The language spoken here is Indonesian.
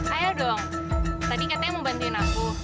ayo dong tadi katanya mau bantuin aku